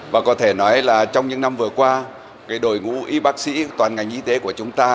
và có thể nói là trong những năm vừa qua đội ngũ y bác sĩ toàn ngành y tế của chúng ta